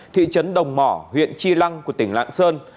thị trấn đồng mỏ huyện chi lăng của tỉnh lạng sơn